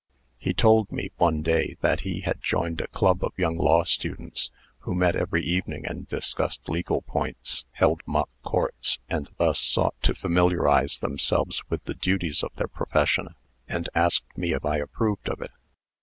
"He told me, one day, that he had joined a club of young law students, who met every evening and discussed legal points, held mock courts, and thus sought to familiarize themselves with the duties of their profession; and asked me if I approved of it.